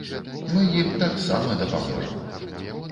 Мы ім таксама дапаможам.